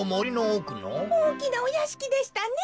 おおきなおやしきでしたね。